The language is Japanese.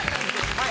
はい。